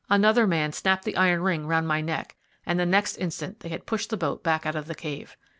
Another man snapped the iron ring round my neck, and the next instant they had pushed the boat back out of the cave.